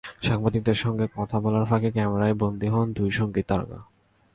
সাংবাদিকদের সঙ্গে কথা বলার ফাঁকে ক্যামেরায় বন্দী হলেন দুই সংগীত তারকা।